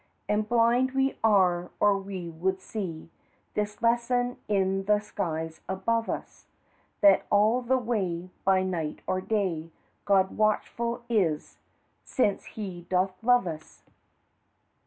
And blind we are, or we would see This lesson in the skies above us; That all the way, by night or day, God watchful is, since He doth love us.